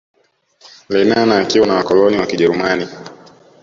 Lenana akiwa na wakoloni wa kijerumani